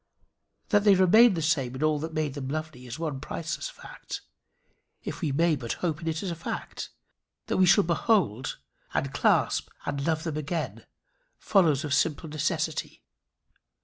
That they remain the same in all that made them lovely, is the one priceless fact if we may but hope in it as a fact. That we shall behold, and clasp, and love them again follows of simple necessity.